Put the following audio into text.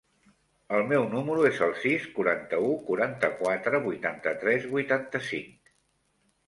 El meu número es el sis, quaranta-u, quaranta-quatre, vuitanta-tres, vuitanta-cinc.